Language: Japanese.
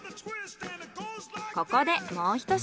ここでもう一品。